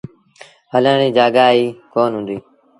هلڻ ريٚ جآڳآ ئيٚ ڪونا هُݩديٚ۔